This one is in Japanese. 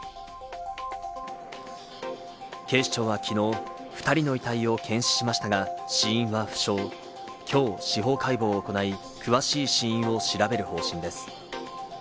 警視庁は昨日、２人の遺体を検視しましたが、死因は不詳、きょう、司法解剖を行い詳しい死因を調べる方針です。